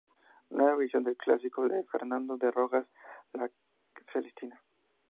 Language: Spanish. Nueva visión del clásico de Fernando de Rojas "La Celestina".